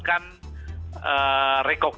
luar biasa alerts marketing